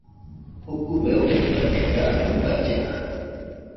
Ukube ofitate raa ɨballena